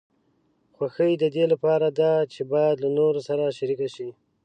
خوښي د دې لپاره ده چې باید له نورو سره شریکه شي.